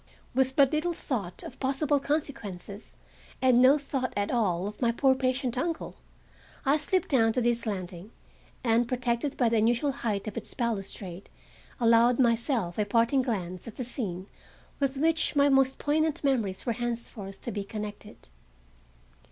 With but little thought of possible consequences, and no thought at all of my poor, patient uncle, I slipped down to this landing, and, protected by the unusual height of its balustrade, allowed myself a parting glance at the scene with which my most poignant memories were henceforth to be connected.